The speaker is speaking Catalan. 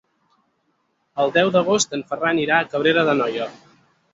El deu d'agost en Ferran irà a Cabrera d'Anoia.